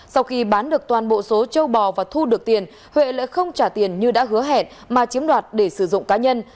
sau khi bán được toàn bộ số châu bò và thu được tiền huệ lại không trả tiền như đã hứa hẹn mà chiếm đoạt để sử dụng cá nhân